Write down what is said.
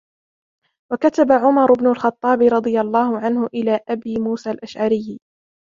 وَكَتَبَ عُمَرُ بْنُ الْخَطَّابِ رَضِيَ اللَّهُ عَنْهُ إلَى أَبِي مُوسَى الْأَشْعَرِيِّ